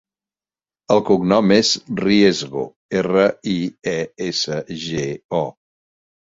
El cognom és Riesgo: erra, i, e, essa, ge, o.